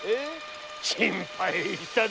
心配したぜ。